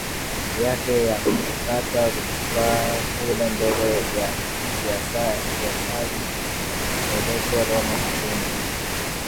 yake ya kukata rufaa kule mbele ya Kaisari Akapelekwa Roma Hatuna